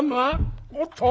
「おっと。